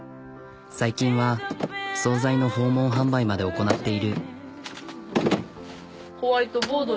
最近は総菜の訪問販売まで行なっている。